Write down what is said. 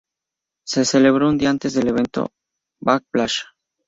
Se celebró un día antes del evento Backlash.